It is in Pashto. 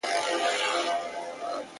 پل مي له باده سره ځي نن تر کاروانه نه ځي -